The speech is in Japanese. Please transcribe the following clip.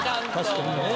確かにね。